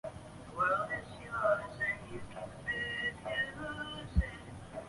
但摄政和首相一直施行专制统治。